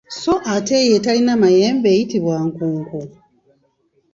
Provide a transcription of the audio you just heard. Sso ate eyo etalina mayembe eyitibwa nkunku.